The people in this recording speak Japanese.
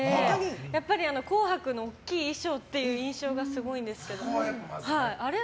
やっぱり「紅白」の大きい衣装っていう印象がすごいんですけど。